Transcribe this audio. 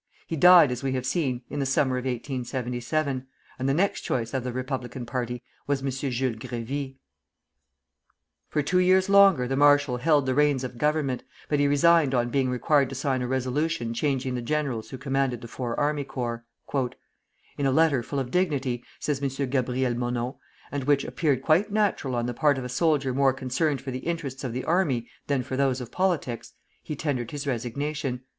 He died, as we have seen, in the summer of 1877, and the next choice of the Republican party was M. Jules Grévy. [Illustration: PRESIDENT JULES GRÉVY.] For two years longer the marshal held the reins of government, but he resigned on being required to sign a resolution changing the generals who commanded the four army corps. "In a letter full of dignity," says M. Gabriel Monod, "and which appeared quite natural on the part of a soldier more concerned for the interests of the army than for those of politics, he tendered his resignation.